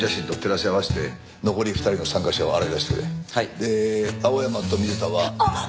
で青山と水田は。